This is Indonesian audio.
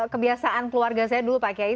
kebiasaan keluarga saya dulu pak kiai